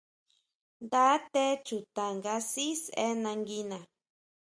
Nda té chuta nga sʼí sʼe nanguina.